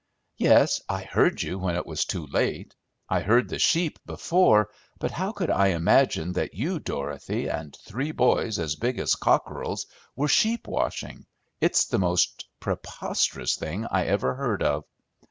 "Yes, I heard you when it was too late. I heard the sheep before, but how could I imagine that you, Dorothy, and three boys as big as cockerels, were sheep washing? It's the most preposterous thing I ever heard of!"